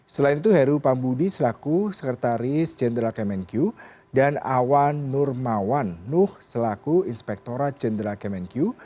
selain itu heru pambudi selaku sekretaris jenderal kemenku dan awan nurmawan nuh selaku inspektora jenderal kemenku